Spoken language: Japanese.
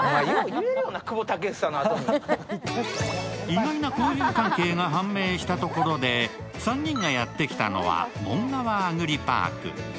意外な交友関係が判明したとこで、３人がやってきたのはもんがわアグリパーク。